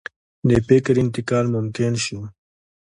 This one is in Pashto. د فکر انتقال ممکن شو.